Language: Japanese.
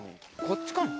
こっちかな？